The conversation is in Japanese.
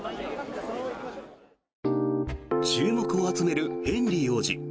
注目を集めるヘンリー王子。